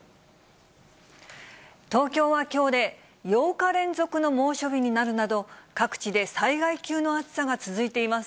東京はきょうで８日連続の猛暑日になるなど、各地で災害級の暑さが続いています。